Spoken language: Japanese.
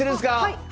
はい！